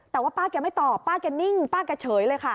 แต่ว่าป้าแกไม่ตอบป้าแกนิ่งป้าแกเฉยเลยค่ะ